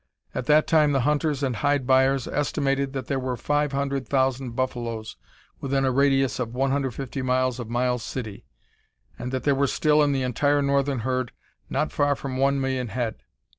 At that time the hunters and hide buyers estimated that there were five hundred thousand buffaloes within a radius of 150 miles of Miles City, and that there were still in the entire northern herd not far from one million head.